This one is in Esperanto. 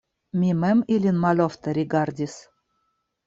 Mi mem ilin malofte rigardis.